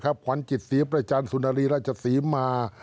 ขวัญจิตศีรประจันสุนลีราชสีม